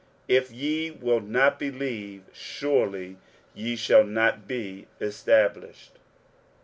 If ye will not believe, surely ye shall not be established.